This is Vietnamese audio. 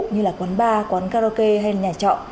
như quán bar quán karaoke hay nhà trọ